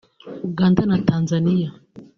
Uganda na Tanzania